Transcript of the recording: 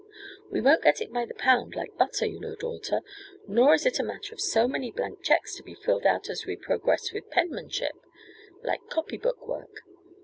"We won't get it by the pound, like butter, you know, daughter. Nor is it a matter of so many blank checks to be filled out as we progress with penmanship like copy book work.